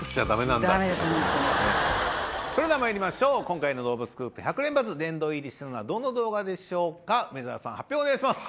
それではまいりましょう今回の動物スクープ１００連発殿堂入りしたのはどの動画でしょうか梅沢さん発表お願いします